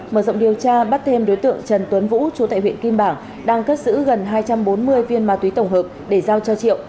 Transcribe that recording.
mở rộng điều tra bắt thêm đối tượng trần tuấn vũ chú tại huyện kim bảng đang cất giữ gần hai trăm bốn mươi viên ma túy tổng hợp để giao cho triệu